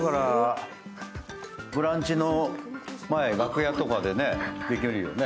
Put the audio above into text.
「ブランチ」の前、楽屋とかでできるよね。